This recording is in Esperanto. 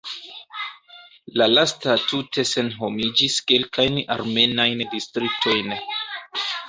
La lasta tute senhomigis kelkajn armenajn distriktojn.